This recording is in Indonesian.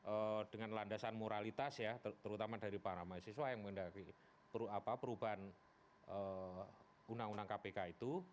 eee dengan landasan moralitas ya terutama dari para mahasiswa yang mengendaki perubahan undang undang kpk itu